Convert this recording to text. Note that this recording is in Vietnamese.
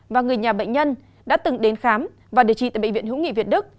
và người nhà bệnh nhân đã từng đến khám và điều trị tại bệnh viện hữu nghị việt đức